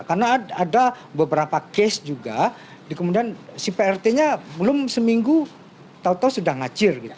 karena ada beberapa case juga si prt nya belum seminggu tau tau sudah ngacir